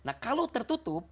nah kalau tertutup